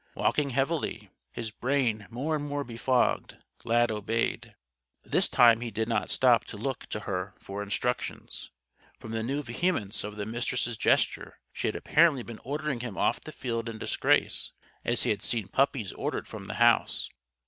Walking heavily, his brain more and more befogged, Lad obeyed. This time he did not stop to look to her for instructions. From the new vehemence of the Mistress' gesture she had apparently been ordering him off the field in disgrace, as he had seen puppies ordered from the house.